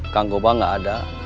kang gobang gak ada